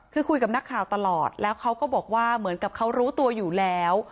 คือคุยกับนักข่าวตลอดแล้วเขาก็บอกว่าเหมือนกับเขารู้ตัวอยู่แล้ว